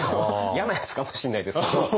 嫌なやつかもしんないですけども。